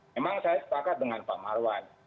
memang saya sepakat dengan pak marwan